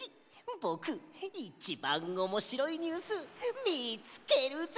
ぼくいちばんおもしろいニュースみつけるぞ！